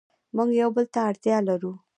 موږ یو بل ته اړتیا لرو.